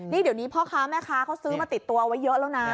นี่เดี๋ยวนี้พ่อค้าแม่ค้าเขาซื้อมาติดตัวไว้เยอะแล้วนะ